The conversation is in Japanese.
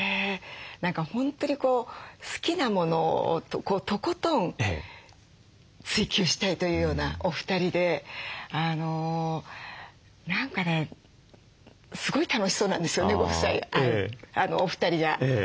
何か本当に好きなものをとことん追求したいというようなお二人で何かねすごい楽しそうなんですよねご夫妻がお二人が。